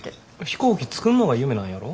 飛行機作んのが夢なんやろ？